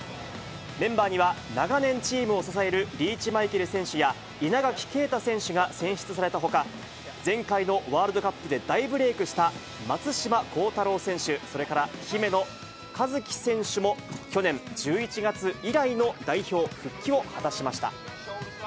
メンバーには、長年チームを支えるリーチマイケル選手や、稲垣啓太選手が選出されたほか、前回のワールドカップで大ブレークした松島幸太朗選手、それから姫野和樹選手も去年１１月以来の代表復帰を果たしました。